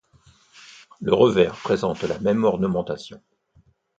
Le revers présente la même ornementation.